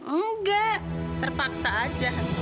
enggak terpaksa aja